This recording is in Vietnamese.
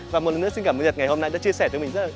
và một lần nữa xin cảm ơn nhật ngày hôm nay đã chia sẻ với mình